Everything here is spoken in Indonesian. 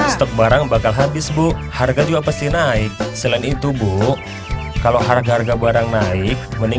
stok barang bakal habis bu harga juga pasti naik selain itu bu kalau harga harga barang naik